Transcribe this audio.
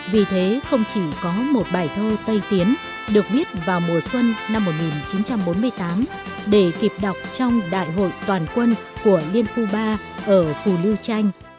vì thế không chỉ có một bài thơ tây tiến được viết vào mùa xuân năm một nghìn chín trăm bốn mươi tám để kịp đọc trong đại hội toàn quân của liên khu ba ở phù lưu chanh